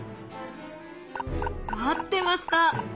待ってました！